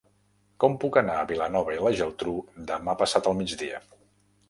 Com puc anar a Vilanova i la Geltrú demà passat al migdia?